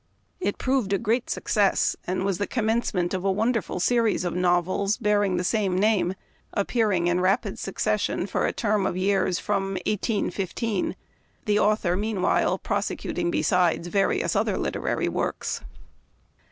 It proved a great success, and was the com mencement of that wonderful series of novels bearing the same name — appearing in rapid succession for a term of years from 1S15 — the author meanwhile prosecuting besides various other literary works.